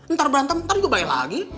ntar berantem ntar juga baik lagi